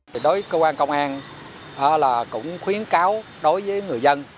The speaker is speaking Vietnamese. đối với cơ quan công an cũng khuyến cáo đối với người dân